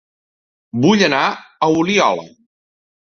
Vull anar a Oliola